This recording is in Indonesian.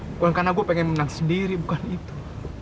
bukan karena gue pengen menang sendiri bukan itu